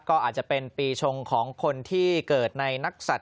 ก็อาจจะเป็นปีชงของคนที่เกิดในนักศัตริย